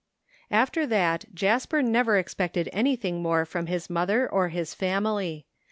After that Jasper never expected anything more from his mother or his family.